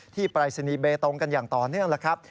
ปรายศนีย์เบตงกันอย่างต่อเนื่องแล้วครับ